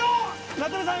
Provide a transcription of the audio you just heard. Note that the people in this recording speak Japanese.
夏目さん